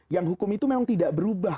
yang hukum itu memang tidak berubah